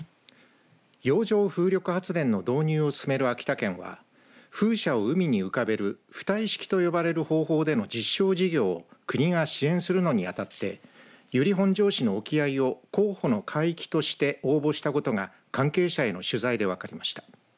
洋上風力発電の導入を進める秋田県は風車を海に浮かべる浮体式と呼ばれる方法での実証事業を国が支援するのに当たって由利本荘市の沖合を候補の海域として応募したことが関係者への取材で分かりました。